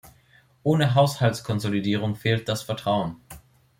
Ohne Haushaltskonsolidierung fehlt das Vertrauen.